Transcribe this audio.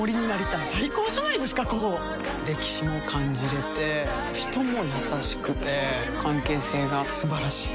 歴史も感じれて人も優しくて関係性が素晴らしい。